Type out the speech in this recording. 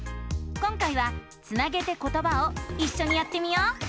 今回は「つなげてことば」をいっしょにやってみよう！